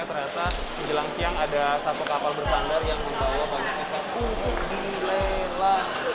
ternyata di jelang siang ada satu kapal bersandar yang dibawa banyaknya